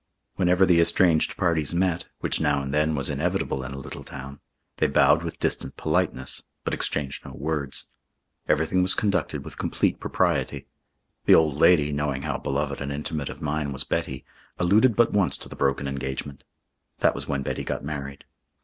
Whenever the estranged parties met, which now and then was inevitable in a little town, they bowed with distant politeness, but exchanged no words. Everything was conducted with complete propriety. The old lady, knowing how beloved an intimate of mine was Betty, alluded but once to the broken engagement. That was when Betty got married.